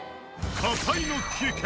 火災の危険！？